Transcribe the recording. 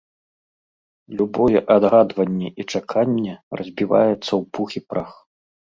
Любое адгадванне і чаканне разбіваецца ў пух і прах.